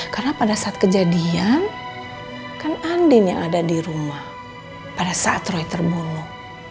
karena pada saat kejadian kan andin yang ada di rumah pada saat roy terbunuh